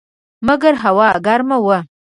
مګر هوا ګرمه وه.